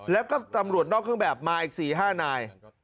แล้วก็ตำรวจนอกเครื่องแบบมาอีก๔๕นาย